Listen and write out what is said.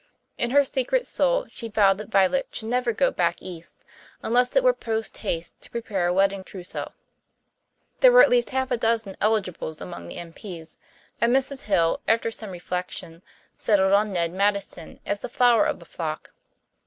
In her secret soul she vowed that Violet should never go back east unless it were post haste to prepare a wedding trousseau. There were at least half a dozen eligibles among the M.P.s, and Mrs. Hill, after some reflection, settled on Ned Madison as the flower of the flock.